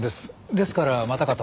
ですからまたかと。